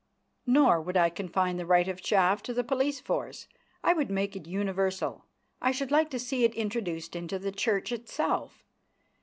Nor would I confine the right of chaff to the police force. I would make it universal. I should like to see it introduced into the Church itself.